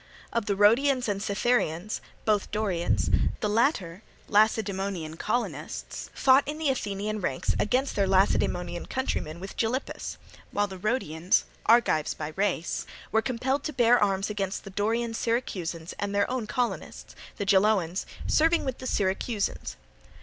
Of the Rhodians and Cytherians, both Dorians, the latter, Lacedaemonian colonists, fought in the Athenian ranks against their Lacedaemonian countrymen with Gylippus; while the Rhodians, Argives by race, were compelled to bear arms against the Dorian Syracusans and their own colonists, the Geloans, serving with the Syracusans.